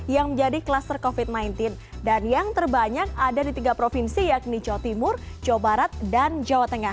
yang menjadi kluster covid sembilan belas dan yang terbanyak ada di tiga provinsi yakni jawa timur jawa barat dan jawa tengah